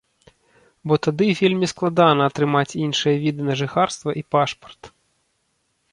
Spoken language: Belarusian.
Бо тады вельмі складана атрымаць іншыя віды на жыхарства і пашпарт.